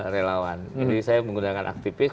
relawan jadi saya menggunakan aktivis